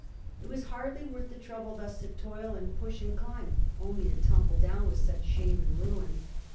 It was hardly worth the trouble thus to toil and push and climb, only to tumble down with such shame and ruin.